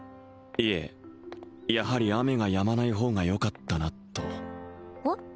いえやはり雨がやまない方がよかったなとへっ？